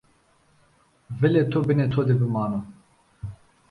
Vılê to bınê to de bımano!